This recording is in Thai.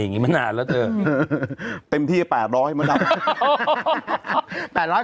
อย่างงี้มานานแล้วเจอเต็มที่แปดร้อยเหมือนเราแปดร้อย